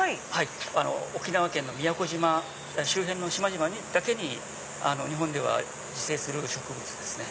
沖縄県の宮古島周辺の島々だけに日本では自生する植物ですね。